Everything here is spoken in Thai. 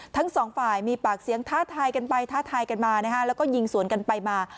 ทั้งสองฝ่ายมีปากเสียงท้าทายกันไปท้าทายกันมานะฮะแล้วก็ยิงสวนกันไปมา